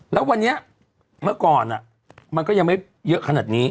แล้ววันนี้เมื่อก่อนมันก็ยังไม่เยอะขนาดนี้